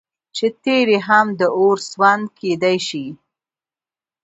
چې تيږي هم د اور سوند كېدى شي